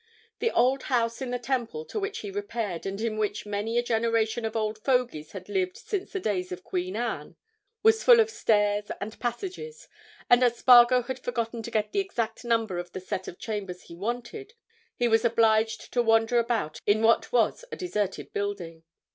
The old house in the Temple to which he repaired and in which many a generation of old fogies had lived since the days of Queen Anne, was full of stairs and passages, and as Spargo had forgotten to get the exact number of the set of chambers he wanted, he was obliged to wander about in what was a deserted building.